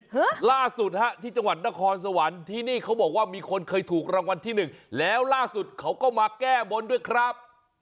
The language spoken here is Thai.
ฮะล่าสุดฮะที่จังหวัดนครสวรรค์ที่นี่เขาบอกว่ามีคนเคยถูกรางวัลที่หนึ่งแล้วล่าสุดเขาก็มาแก้บนด้วยครับ